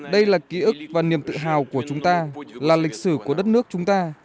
đây là ký ức và niềm tự hào của chúng ta là lịch sử của đất nước chúng ta